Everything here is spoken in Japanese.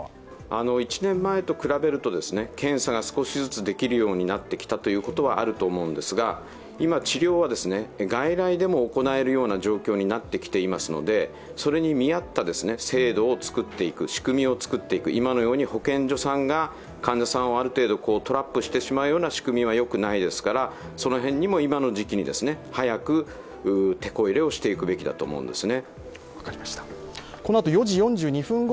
１年前と比べると検査が少しずつできるようになってきたということはあると思うんですが、今治療は、外来でも行えるような状況になってきていますのでそれに見合った制度をつくっていく、仕組みをつくっていく今のように保健所さんが患者さんをある程度トラップしてしまような仕組みはよくなですから、その辺にも今の時期に早くてこ入れをしていくべきだと思うんですね。